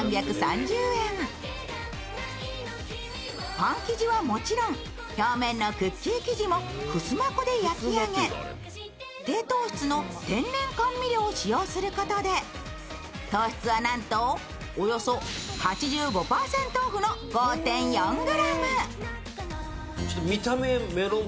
パン生地はもちろん、表面のクッキー生地もふすま粉で焼き上げ低糖質の天然甘味料を使用することで糖質はなんとおよそ８５％オフの５．４ｇ。